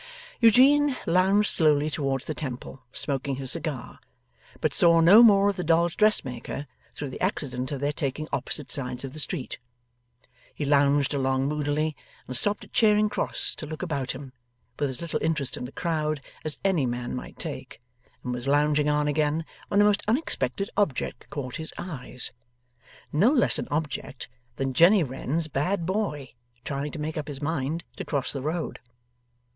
Eugene lounged slowly towards the Temple, smoking his cigar, but saw no more of the dolls' dressmaker, through the accident of their taking opposite sides of the street. He lounged along moodily, and stopped at Charing Cross to look about him, with as little interest in the crowd as any man might take, and was lounging on again, when a most unexpected object caught his eyes. No less an object than Jenny Wren's bad boy trying to make up his mind to cross the road.